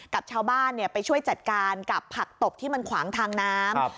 กับชาวบ้านไปช่วยจัดการกับผักตบที่มันขวางทางน้ำ